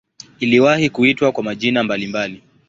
Iliwahi kuitwa kwa majina mbalimbali.